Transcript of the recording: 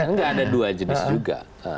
nggak ada dua jenis juga